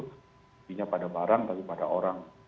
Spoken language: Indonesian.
subsidinya pada barang tapi pada orang